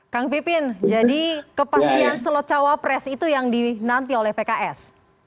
kang pipin jadi kepastian slot cawapres itu yang dinanti oleh pks